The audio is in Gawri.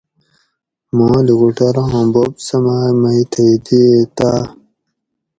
ماں لُوکوٹوراں بوب سماۤئے مئی تھئی دئیتاۤ